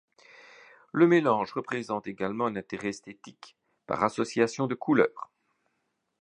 Le mélange présente également un intérêt esthétique, par association de couleurs.